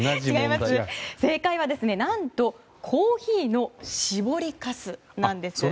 正解は、何とコーヒーの搾りかすなんです。